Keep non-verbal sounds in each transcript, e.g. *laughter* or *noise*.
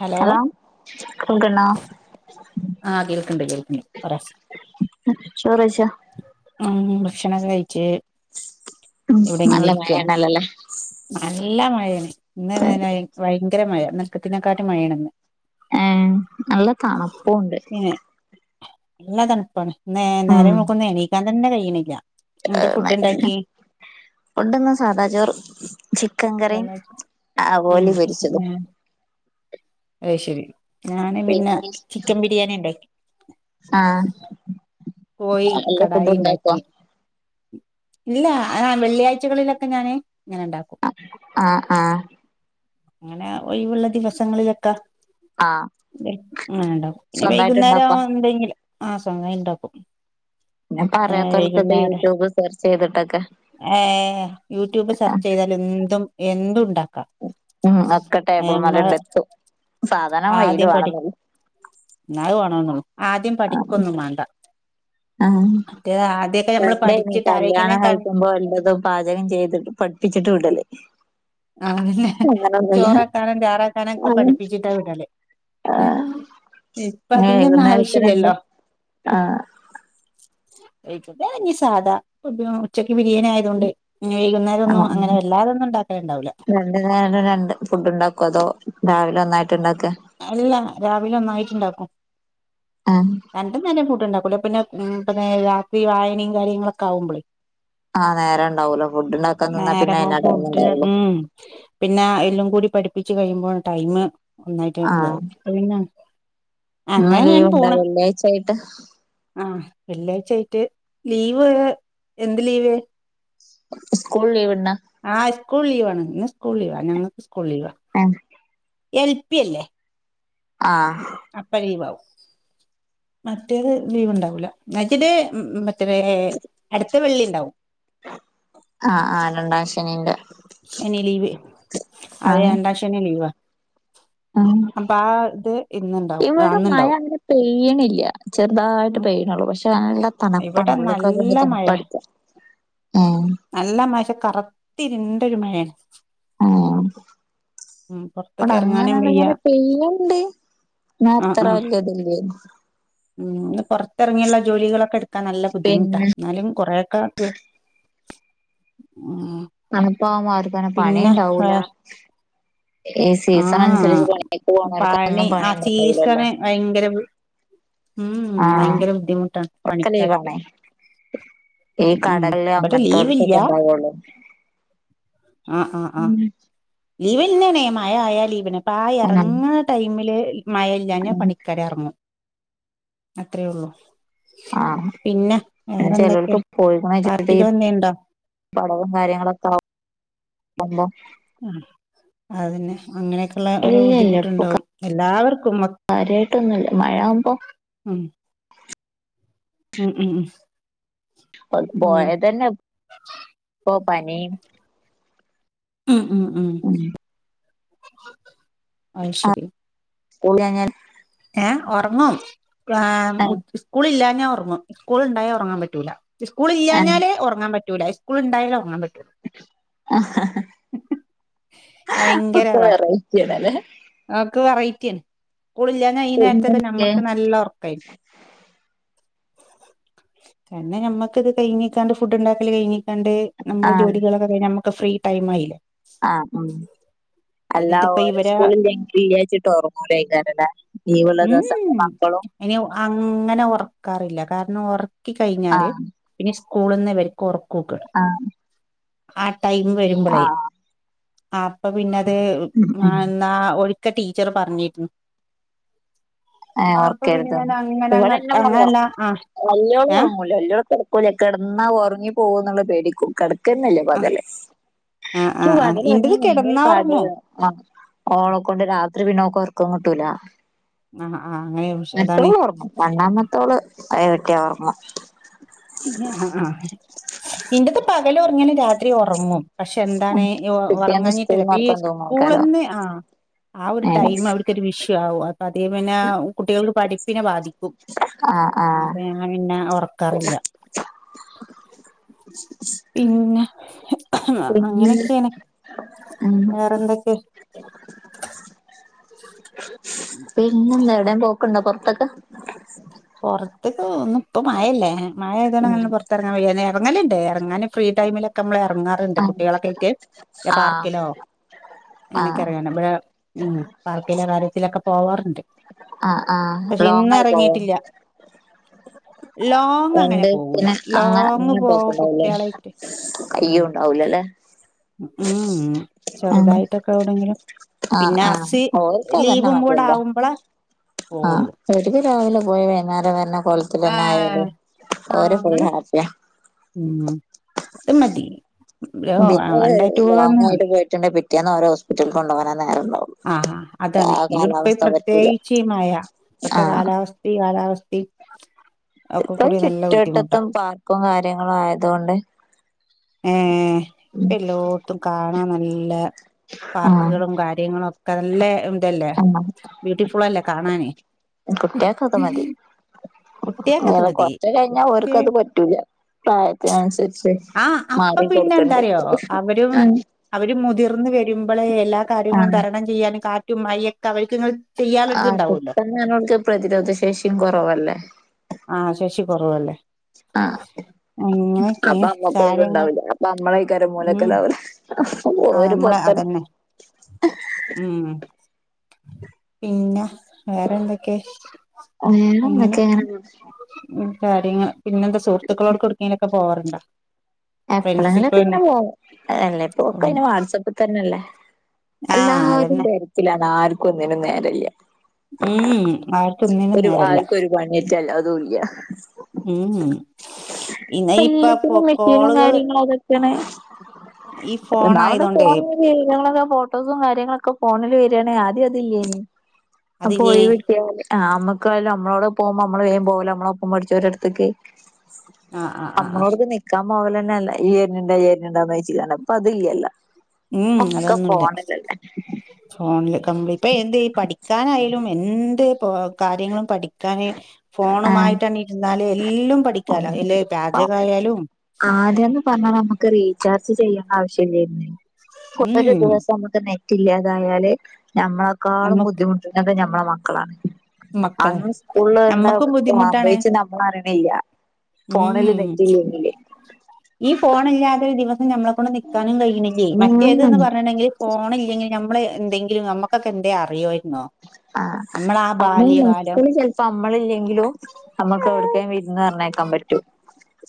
Hello hello കേൾക്ക്ണ്ടോ. ആഹ് കേൾക്ക്ണ്ട് കേൾക്ക്ണ്ട് പറെ. ചോറ് വെയ്ച്ചോ ആഹ് ഭക്ഷണക്കെ കയിച്ച് ഇവിടെ ഇങ്ങനെ നല്ല ഇര്ക്കാണ്. മഴയാണല്ലോല്ലേ നല്ല മഴേണ് ഇന്ന് ഭയങ്കര മഴ ഇന്നൽക്കത്തിനെക്കാട്ടും മഴേണ്ന്ന്. ഏഹ് നല്ല തണുപ്പുണ്ട്. പിന്നെ നല്ല തൺപ്പാണ് ഉം നേരം വെളുക്കുമ്പോ എണീക്കാൻ തന്നെ കഴിണില്ല. *unintelligible* ഫുഡ്ന്ന് സാധാ ചോറ്. ചിക്കൻ കറീം ഉം ആവോലി പൊരിച്ചതും. അയ് ശരി ഞാന് പിന്നെ ചിക്കൻ ബിരിയാണി ഇണ്ടാക്കി. ആഹ് കോഴി എല്ലാ ഫുഡും ഉണ്ടാക്കോ കടായിണ്ടാക്കി. ഇല്ല ആ വെള്ളിയാഴ്ചകളിലൊക്കെ ഞാന് ഇങ്ങനെ ണ്ടാക്കും. അഹ് ആഹ് അങ്ങനെ ഒഴിവുള്ള ദിവസങ്ങളിലൊക്കെ ആഹ് ഇണ്ടാക്കും പിന്നെ സ്വന്തായിട്ട് വൈകുന്നേരം ഉണ്ടാക്കോ എന്തെങ്കിലും ആ സമയം ഇണ്ടാക്കും. പിന്നെപ്പൊ അറിയാത്തോൽക്കൊക്കെ യൂട്യൂബ് സെർച്ച് ചെയ്തിട്ടൊക്കെ. ഏഹ് യൂട്യൂബ് സെർച്ചെയ്താല് എന്തും എന്തും ഉണ്ടാ ക്കാ ഉം ഒക്കെ നമ്മ ടേബിൾമല്ണ്ട് എത്തും സാധനം കയ്യില് ആദ്യം പടി വേണന്നൊള്ളു *unintelligible* ആദ്യം പഠിക്കൊന്നും വേണ്ട. മറ്റേത് ആദ്യമൊക്കെ നമ്മള് പണ്ടേനി പഠിച്ചിട്ട് ആരെങ്ങനെ കല്യാണം ക കഴിക്കുമ്പോ എല്ലതും പാചകം ചെയ്തിട്ട് പട്പ്പിച്ചിട്ട് വിടല് ആഹ് പിന്നെ അങ്ങനൊന്നുല്ല ചോറക്കാനും ചാറാക്കാനും ഒക്കെ ആഹ് പഠിപ്പിച്ചിട്ടാ വിടല് ഇപ്പൊ അതിന്റെ ഒന്നും വൈകുന്നേരത്തിനെന്ത് ആവശ്യല്ലല്ലോ. ആഹ് *unintelligible* സാധാ ഉച്ചക്ക് ബിരിയാണി ആ തോണ്ട് ന്ന് വൈകുന്നേരം ഒന്നും അങ്ങനെ വല്ലാതൊന്നും ഉണ്ടാക്കല്ണ്ടാവൂല. രണ്ടു നേരം രണ്ട് ഫുഡ് ഉണ്ടാക്കൊ, അതോ രാവിലെ ഒന്നായിട്ട് ഇണ്ടാക്ക അല്ല രാവിലെ ഒന്നായിട്ട്ണ്ടാക്കും. ആഹ് രണ്ട് നേരം ഫുഡ് ണ്ടാക്കൂല. പിന്നെ പിന്നെ രാത്രി വായനിം കാര്യങ്ങളൊക്കെ ആകുമ്പോളെ ആഹ് നേരം ഉണ്ടാവൂല ഫുഡ് ഉണ്ടാക്കാൻ നിന്നാ നേരെ പിന്നെ പ്പം അയിനാ ടൈം ഫുഡ് ഉണ്ടാവുള്ളു ഉം പിന്നെ എല്ലം കൂടി പഠിപ്പിച്ച് കഴിയുമ്പോ ടൈം ഒന്നായിട്ട് ആഹ് ഇതാവും പ്പൊ പിന്നെ ഇന്ന് ലീവ് അങ്ങനെയാണ് ഉണ്ടോ പോണ് വെള്ളിയാഴ്ച ആയിട്ട്. ആഹ് വെള്ളിയാഴ്ച്ചായിട്ട് ലീവ് എന്ത് ലീവ്? ഉസ്കൂൾ ലീവ്ണ്ടാ ആഹ് സ്കൂൾ ലീവാണ്. ഇന്ന് സ്കൂൾ ലീവാ ഞങ്ങക്ക് സ്കൂൾ ലീവാ. ഏഹ് എൽ പി അല്ലേ ആഹ് അപ്പ ലീവാവും. മറ്റേത് ലീവ്ണ്ടാവൂലാ. മറ്റേത് അട്ത്ത വെള്ളിണ്ടാവും. ആഹ് ആഹ് രണ്ടാം ശനിന്റെ ശനി ലീവ് അതെ ആഹ് രണ്ടാ ശനി ലീവാ. ഉം അപ്പൊ ആ ഇത് ഇന്നുണ്ടാവും ഇവിടെ മഴ അന്നുണ്ടാവും. അങ്ങനെ പെയ്യണില്ല ചെറുതായിട്ട് പെയ്യണുള്ളൂ പക്ഷെ നല്ല തണുപ്പാണ് ഇവിടെ ഉള്ളൊക്കെ നല്ല ഒക്കെന്ത്‌ മഴ തണുപ്പ അട്ച്ച ആഹ് നല്ല മയെ കറത്തിരിണ്ട ഒരു മഴയാണ് ആഹ് ഉം പൊറത്ത്ക്ക് വടെ എറങ്ങാനും വയ്യ അങ്ങനെങ്ങനെ പെയ്യ്ണ്ട് ന്നാ ആ അത്ര ആ വലിയ ഇത് ല്യെയ്‌നും ഇന്ന് പുറത്തിറങ്ങിയുള്ള ജോലികളൊക്കെ എടുക്കാൻ നല്ല ബുദ്ധിമുട്ടാ പിന്നെ എന്നാലും കുറെേൊക്കെ ഉം തണുപ്പാവുമ്പം അവർക്കണെ പിന്നെ പണിണ്ടാവൂല ആഹ് പണിക്ക് ആഹ് പോണോൽക്കൊന്നും പണി ആഹ് സീസൺ ഇണ്ടാവൂലല്ലോ ഭയങ്കര ഉം ഉം ആഹ് ഭയങ്കര ബുദ്ധിമുട്ടാണ് ഒക്കെ പണിക്കാർക്ക് ലീവാണേ ഈ ഉം കടകളില് ഇവിടെ ലീവില്ല അങ്ങനത്തോലത്തൊക്കെ ഉണ്ടാവുള്ളൂ ആഹ് ആഹ് ആഹ് ലീവന്നെണ് മഴ ആയാ ലീവിന്, അ ഉം ഇറങ്ങുന്ന ടൈമില് മഴ ഞാന പണിക്കരെ എറങ്ങും അത്രേള്ളു പിന്നെ വേറെന്തൊക്കെ കോഴിക്കോട് വെച്ചിട്ട് പാർട്ടികൾ എന്തേണ്ടോ പടവും കാര്യങ്ങളൊക്കെകുമ്ബോ ആ അതന്നെ അങ്ങനെയൊക്കുള്ള ഒരു ഇല്ല ബുദ്ധിമുട്ടുണ്ടാവും എല്ലാവർക്കും കാര്യായിട്ടൊന്നുംല്ല മഴആകുമ്പോ ഉം ഉം ഉം ഉം പോയതന്നെ ഇപ്പോ പനി ഉം ഉം ഉം അയ് ശരി ഓലങ്ങനെ ഏഹ് ഉറങ്ങും ആഹ് ഇഹ് സ്കൂള ഇല്ലഞ്ഞാ ഉറങ്ങും സ്കൂൾ ഇണ്ടായ ഉറങ്ങാൻ പറ്റൂല സ്കൂൾ ആഹ് ഇയ്യാഞ്ഞാലേ ഉറങ്ങാൻ പറ്റൂല്ല സ്കൂൾ ഉണ്ടായാലും ഉറങ്ങാൻ പറ്റൂ ആഹ് ഇപ്പ വെറൈറ്റിയാണല്ലേ ഇക്ക് വെറൈറ്റിണ് സ്കുളില്ലഞ്ഞ ഈ നേരത്തക്കെ ക്കെ നമ്മുക്ക് നല്ല ഉറക്കായിരിക്കും കാരനം നമ്മക്ക് ഇത് കഴിഞ്ഞിക്കാണ്ട് ഫുഡ്ണ്ടാക്കല് കഴിഞ്ഞീക്കാണ്ട് നമ്മള് ആഹ് ജോലികളൊക്കെ കഴിഞ്ഞാ നമുക്ക് ഫ്രീ ടൈമായില്ലേ ആഹ് ഉം അല്ല ഇതിപ്പോ ഓരോ ഇവരെ സ്കൂളിലങ്കി ല്ലവിചാരിച്ചിട്ട് ഓർങ്ങൂലയ്ക്കാരലെ ഉം ഇനി അങ്ങനെ ഉറക്കാറില്ല കാരണം ഉറക്ക കഴിഞ്ഞാല് ആഹ് പിന്നെ സ്കൂളിൽ നിന്ന് ഇർക്ക് ക്കൂക്കാണ് ആഹ് ആ ടൈമ് വരുമ്പളേയ് ആഹ് ആ അപ്പ പിന്നത് ഉം ഉം എന്താ ഒരുക്കെ ടീച്ചറ് പറഞ്ഞിരുന്നു ഏഹ് അപ്പൊ പിന്നെ ഓർക്കരുത്ന്നോ ഞാൻ അങ്ങനെ അങ്ങ ഇവിടെന്റെ മോള് അങ്ങനല്ല ഒറങ്ങും ആ വല്ലിയോള് ഏ ഉറങ്ങൂല്ല വല്യോർക്ക് ഓല് കിടന്നാ ഉറങ്ങി പോകോന്നുള്ള പേടിക്കും കെടക്കാ ഓർക്കന്നെ ല്യ ആ പകല് ആ ആ ഇന്ക് ആ ഇന്റത് പകലൊറങ്ങിയാ ഭയങ്കര കിടന്നാ ഉറങ്ങും പാടാണ് ആഹ് ഓളക്കൊണ്ട് രാത്രി പിന്നെ ഉറക്കം കിട്ടൂല ആഹ് ആഹ് അങ്ങനെയ മറ്റോള് ഓർങ്ങും രണ്ടാമത്തോള് അയവറ്റിയ ഓർങ്ങും ഇല്ല ആഹ് ആഹ് ഇന്റെത് പകൽ ഒറങ്ങിയാലും രാത്രി ഒറങ്ങും പക്ഷെ ഉം എന്താണ് പിറ്റേന്ന് ഉറങ്ങഞ്ഞിട്ടില്ല സ്കൂൾന്ന് അപ്പൊ ഈ ഉറക്കം തൂങ്ങും ആക്കാരം സ്കൂളന്ന് ആഹ് ആ ഒരു ഏഹ് ടൈം അവിടുത്തെ ഒരു വിഷ്യ ആവും അപ്പൊ അതേ പിന്നെ കുട്ടികൾക്ക് പഠിപ്പിനെ ബാധിക്കും ആഹ് ആഹ് അപ്പൊ ഞാൻ പിന്നെ ഉറക്കാറില്ല പിന്നെ പിന്നെ അങ്ങനെയൊക്കെണ് ഉം വേറെന്തൊക്കെ പിന്നെന്താ എവിടെയും പോക്ക്ണ്ടോ പോർത്തൊക്കെ പുറത്തക്ക ഒന്നും പ്പ മയല്ലേ ഉം മഴയതങ്ങനെ പുറത്തെറങ്ങാൻ വയ ഇറങ്ങലുണ്ട് ഇറങ്ങാൻ ഫ്രീ ടൈമിലൊക്കെ നമ്മൾ ഇറങ്ങാറുണ്ട് ആഹ് കുട്ടികളൊക്കെ ആയിട്ട് ആഹ് പാർക്കിലോ- എനിക്ക ആഹ് അറിയാണ് ഇവിടെ ഉം പാർക്കിലെ കാര്യത്തിലൊക്കെ പോവാറുണ്ട്- ആഹ് ആഹ് പക്ഷെ ലോങ് ഇന്ന് ആയി പോയോ ഇറങ്ങിയിട്ടില്ല ലോങ് അങ്ങനെ പോകൂല രണ്ട്ത്തിന് അങ്ങ ലോങ് അങ്ങനെ പോവും പോക്കുണ്ടാവലേ കുട്ടികളായിട്ട് ഉം അയ്യോ ഉണ്ടാവൂല അല്ലെ ഉം ഉം ചെറുതായിട്ടൊക്കെ വിടെങ്കിലും ആഹ് പിന്നെ ആഹ് അസി ഓര്ക്കതന്നെ ലീവും കൂടെ മതിയല്ലോ ആകുമ്പോള ആഹ് പോവുള്ളൂ ഓര്ക്ക് രാവിലെ പോയി വൈകുന്നേരം വര്ണ കൊലത്തി തന്നെ ആഹ് ആയാലും ആഹ് ഓരെപ്പഴും അങ്ങനെ ഹാപ്പിയ- ഉം അത് മതി പിന്നെ വണ്ടായിട്ട് പോവന്ന ലോങ്ങായിട്ട് പിറ്റേന്ന് ഒരോഫ്- ആഹ് ആഹ് അതാണ് ആ ഇനിടിപ്പ കാലാവസ്ഥ പറ്റൂല പ്രത്യേകിച്ചീമയ- അത്ര ആഹ് കാലാവാവസ്ഥതി കാലാവസ്ഥതി ഇപ്പം ചുറ്റുവട്ടത്തും പാർക്കും കാര്യങ്ങളും ആയതുകൊണ്ട് ഏഹ്എല്ലായിടത്തും കാണാൻ നല്ല ആഹ് പാർക്കുകളും കാര്യങ്ങളും ഒക്കെ നല്ല ഉണ്ടല്ലേ ബ്യൂട്ടിഫുൾല്ലേ കാണാന് കുട്ടിയക്ക് അത് മതി കുട്ടികക്കത് മതി കൊറച്ച കഴിഞ്ഞാ കുട്ടിക അവർക്ക്ത് പറ്റ് റ്റൂല്ല പ്രായത്തിനനുസരിച്ച്- ആഹ് അപ്പൊ മാറി പിന്നെ കൊടുക്കണ്ടി എന്താറിയോ അവര് വരും - അവര് മുതിർന്ന വരുമ്പോളേ എല്ലാ കാര്യങ്ങളും ആഹ് തരണം ചെയ്യാനും കാറ്റുംമായിക്കെ അവർക്ക് നിങ്ങ ആ പെട്ടെന്നോക്ക് പ്രതിരോധ ശേഷിം കൊറവല്ലേ ആഹ് ശശി കൊറവല്ലേ- ആഹ് അപ്പ കാര്യങ്ങൾ അമ്മകൊയ്‌വ്ണ്ടാവ്ല്ല അപ്പ അമ്മളെക്കാരം ഉം മൂലക്കെലാവല്. ആഹ് അമ്മളെ അതന്നെ ഉം പിന്ന വേറെ ന്തൊക്കെ വേറെ ന്തെക്കെ ങ്ങനെ പോണ് ഉ കാര്യങ്ങ പിന്നെന്താ സുഹൃത്തുക്കളോട്ക്കൊട്ക്കേലും പോവാറുണ്ടോ എപ്പളെങ്കിലൊക്കെ ഫ്രണ്ട്സിപ്പ് ങ്ങെനെ പോവും എല്ലേ പ്പോക്കെന് വാട്സപ്പിൽ തന്നെല്ലേ ആഹ് എല്ലരും അതന്നെ ബെ ത്തിലാണ് ആർക്കും ഒന്നിലും നേരല്ല ഉം ആർക്കും ഒന്നിനും നേരല്ല പണിറ്റല്ലതും ഇല്ല ഉം ഉം ഇന്ന ഇപ്പൊ കോളുകള്- തൊക്കണ് ഫോൺ ന്നാമത് ആയതൊണ്ടേ ഫോൺങ്ങെന വീ ട്ടോസും കാര്യങ്ങളൊക്കെ ഫോണിൽ വരിയാണെങ്കിൽ ആദ്യം അതില്ലേനി അ അതില്ലേനി പോയുവിട്ടിയാൽ ആഹ് അമക്കായാലും അമ്മളോടെ പോകുമ്പോ അമ്മള് വേ പോവലോ നമ്മളോപ്പം പഠിച്ചോരട്ത്തക്ക് ആഹ് ആഹ് ആഹ് ആഹ് അമ്മളോട് പെനെ ക മോലന്നെല്ല ഈ എരിഞ്ഞുണ്ടോ എരുണ്ടോന്നയ്ച്ച് പ്പഅത് ലല്ലോ ഉം ഒക്കെ അതൊന്നുല്ല പോണ്ല്ലല്ലേ ഫോണില് ക് ഇപ്പൊ എന്ത് പഠിക്കാനായാലും എന്ത് കാര്യങ്ങളും പഠി കാന് ആ ഫോണുമായിട്ട് എണ്ണീരുന്നാല് എല്ലും പഠിക്കാലൊ എല് പാചകായാലും ആദ്യന്ന് പറഞ്ഞാ നമക്ക് റീചാർജ് ചെയ്യണ്ട ആവശ്യല്ലേനി ഒരു ഉം ദിവസം മക്ക് നെറ്റ്ല്ലാതായാല് നമ്മളെക്കാളും നമ്മക്ക് ബുദ്ധിമുട്ട ന്നത് ഞമ്മളെ മക്കളാ മക്കളെ അന്ന് സ്കൂളിൽ എന്താ നമ്മക്കും ബുദ്ധിമുട്ടാണ് സാംഭവിച്ച് നമ്മൾ അറിയണില്ല ഫോണില് ഉം നെറ്റ്ല്ലെങ്കിലേ ഈ ഫോൺ ല്ലാതെ ഒരു ദിവസം നമ്മളെ കൊണ്ട് നിൽക്കാനും കയ്യ്ണില്ലേ മറ്റേത് ന്ന് പറഞ്ണ്ടെങ്കിൽ ഫോണ് ല്ലെങ്കിൽ നമ്മള് ന്തെങ്കിലും നമ്മക്കൊക്കെ നന്തേലും അറിയോയിരുന്നോ ആഹ്അന്ന് മക്കൾ ചെൽ ഇപ്പ അമ്മളില്ലെങ്കിലും അമ്മക്ക് അവിക്കെ വിരുന്നർണയേക്കാൻ പറ്റും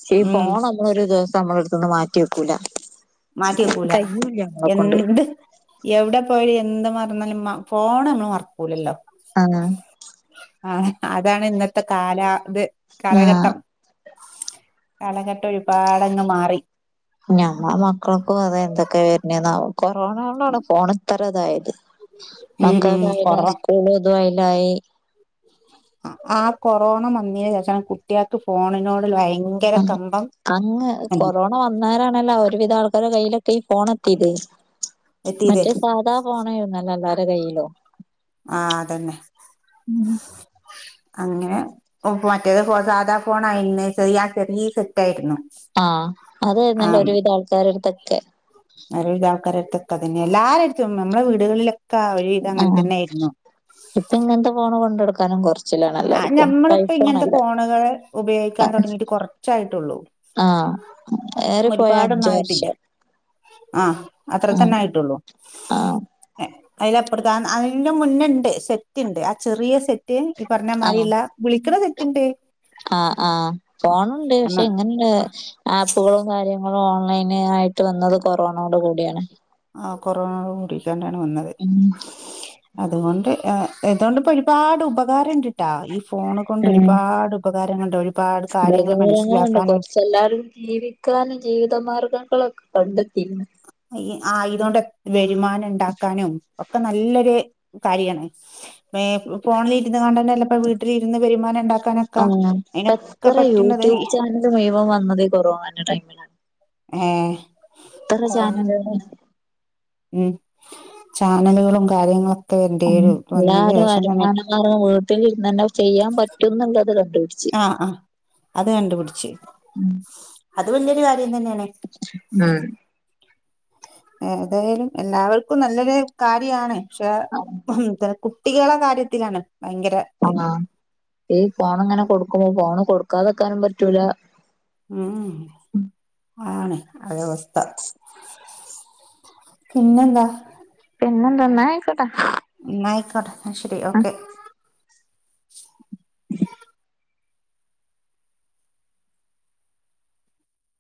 ഷെ ഈ ഉം ഫോണൊ ഒരു ദിവസം അമ്മടെ അടുത്തിന്ന് മാറ്റി വെക്കൂല മാറ്റി വെക്കൂല കയ്യൂല്ല നമ്മളെ കൊണ്ട് എൻണ്ട് എവ്ടെ പോയി എന്ത് മറന്നാലും ഫോണ മ്മള് മർക്കൂലല്ലോ അങ്ങ *unintelligible* ആഹ് അതാണ് ഇന്നത്തെ കാല ത് ആഹ് കാലഘട്ടം കാലഘട്ടം ഒരുപാടങ്ങ് മാറി ഞമ്മെ മക്കൾക്കും അത എന്തൊക്കെ വരുന്നെ ആവം കൊറോണണ്ടാണ് ഫോ ണ്ത്ര ഇതായത്. ഉം മക്ക ഉം കായലും കൊറോ അ സ്കൂളും തും അയ്ലായി. അ ആ കൊറോണ മന്നീന് ശേഷാണ് കുട്ട്യേൾക്ക് ഫോണിനോട് വൈ ഉം അങ് കൊറോ വന്നാരാണല്ലാ ഒരുവിധ ആൾക്കാരെ കയ്യിലൊക്കെ ഈ ഫോണെത്തിത് എത്തിയതേ മറ്റെ സാധാ ഫോണെയ്ന്നെല്ലോ എല്ലാരെ കയ്യിലും ആഹ് അതന്നെ അങ്ങനെ ഒ പ് മറ്റേ ഫോ സാധാ ഫോൺ ആയിന്ന് ചെറിയാ ആ ചെറീ സെറ്റ് ആയിര്ന്നു. ആഹ് അതെരുന്നല്ലോ ഒരുവിധ ആൾക്കാരെടുത്തൊക്കെ ഒരുവിധആൾക്കാരെട്ത്തൊക്കെ അതന്നെ എല്ലാരെടുത്തും നമ്മള വീടുകളിലെ ആഹ് ഇപ്പ ങ്ങൻത്തെ ഫോണ് കൊണ്ടെട്ക്കാനും കൊർച്ച് ആഹ് ഞമ്മളിപ്പോ ഇങ്ങൻത്തെ ഫോണുകള് ഉപയോഗിക്കാൻ തൊ ടങ്ങിട്ട് കൊർച്ചായിട്ടുള്ളൂ ആഹ് ഏറി പോയ അഞ്ച് ആയിട്ടില്ല വർഷം ആഹ് അത്ര ആഹ് തന്നെ ആയിട്ടുള്ളൂ ആഹ് അതില അപ്പർത്ത അ അയിന്റെ മുന്നെണ്ട് സെറ്റ് ഉണ്ട് ആ ചെറിയ സെറ്റ് ഈ പറഞ്ഞ ആഹ് മാരിള്ള വിളിക്കണ സെറ്റ്ണ്ട് ആഹ് ആഹ് ഫോണ് ണ്ട് നമ്മ പക്ഷെ ഇങ്ങന *unintelligible* ആപ്പുകളും കാര്യങ്ങളും ഓൺലൈന് ആയിട്ട് വന്നത് കൊറോണയോട് കൂടിയാണ് ആഹ് കൊറോണയോടു കൂടിട്ടെന്നെണ് വന്നത് ഉം അതുകൊണ്ട് എഹ് എതോണ്ട്പ്പൊ ഒരുപാട് ഉപകാരംണ്ട് ട്ടാ ഈ ഫോണ് കൊണ്ട് ഉം ഒരുപാട് ഉപകാരങ്ങളുണ്ട് ഒരുപാട് കാര്യങ്ങൾ മനസ്സിലാക്കാനും പ്പെല്ലാവരും ജീവിക്കാനും ജീവിതമാർഗങ്ങളൊക്കെ കണ്ടെത്തിക്ക്ന്ന് ആഹ് ഇതോണ്ട് ഒക് വരുമാനംണ്ടാക്കാനും ഒക്കെ നല്ലൊരു കാര്യാണ്. ഏഹ് ഫോണിൽ ഇരുന്ന് കാൺണ്ടെന്നെല്ലപ്പോ വീട്ടിലിരുന്ന് വരുമാനം ഉണ്ടാക്കാനൊക്കെ ആഹ് അയിനൊക്കെ പറ്റ്ണ്ട്തെയ് ഇത്‌ മുയ് വം വന്നത് ഈ കൊറോണന്റെ ടൈമിലാ ഏഹ് കൊറോണ ന്റെ ചാനല് വന്ന് ടൈമ് ഉം ചാനലുകളും കാര്യങ്ങളൊക്കെ എന്തേ *unintelligible* വന്നിന് ശേഷം തന്നെണ് *unintelligible* വീട്ടിൽ ഇരുന്നന്നെ ചെയ്യാൻ പറ്റും ന്ന്ള്ളത് കൊണ്ട് ആഹ് ആഹ് അത് കണ്ട്പിടിച്ച് അത് വല്യുരു കാര്യം തന്നേണ് ണാ *unintelligible* ഏതായാലും എല്ലാവർക്കും നല്ലൊരു കാര്യാണ് പശേ ആണ് *unintelligible* ത്തെ കുട്ടികളെ കാര്യത്തിലാണ് ഭയങ്കര ഇത് *unintelligible* ഈ ഫോണ്ങ്ങനെ കൊടുക്ക്ണെ ഫോണ് കൊടുക്കാതെക്കാനും പറ്റൂല ഉം ഏഹ് അതാണെയ് *unintelligible* ആവസ്ഥ പിന്നെന്താ പിന്നെന്താ ന്നാ ആയിക്കോട്ടെ ന്ന ആയിക്കോട്ടെ അഹ് ശരി ഓക്കെ *inaudible*